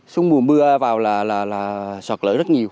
xuống mùa mưa vào là sọt lở rất nhiều